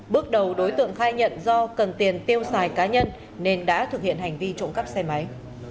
bước đầu đối tượng khai nhận do cần tiền tiêu xài cá nhân nên đã thực hiện hành vi trộm cắp xe máy